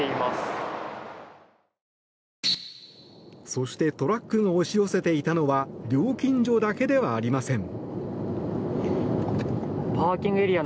そしてトラックが押し寄せていたのは料金所だけではありません。